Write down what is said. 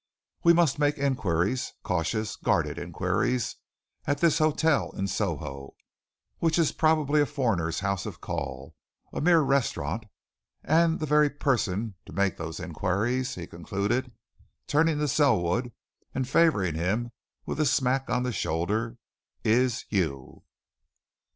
We must make inquiries cautious, guarded inquiries at this hotel in Soho, which is probably a foreigners' house of call, a mere restaurant. And the very person to make those inquiries," he concluded, turning to Selwood and favouring him with a smack of the shoulder, "is you!"